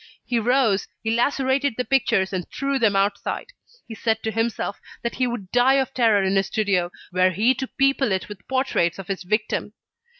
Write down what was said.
He rose, he lacerated the pictures and threw them outside. He said to himself that he would die of terror in his studio, were he to people it with portraits of his victim.